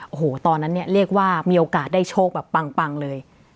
โอ้โหตอนนั้นเนี่ยเรียกว่ามีโอกาสได้โชคแบบปังเลย